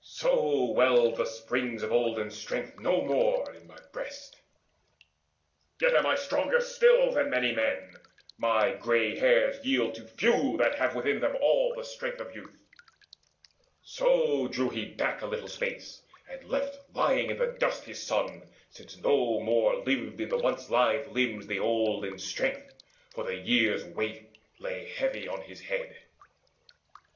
So well the springs of olden strength no more Now in my breast. Yet am I stronger still Than many men; my grey hairs yield to few That have within them all the strength of youth." So drew he back a little space, and left Lying in dust his son, since now no more Lived in the once lithe limbs the olden strength, For the years' weight lay heavy on his head.